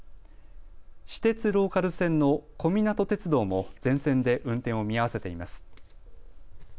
私鉄ローカル線の小湊鐵道も全線で運転を見合わせています。